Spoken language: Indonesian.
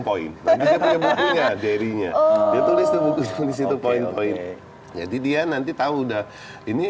poin dia punya bukunya dairynya dia tulis tuh buku tulis itu poin poin jadi dia nanti tahu udah ini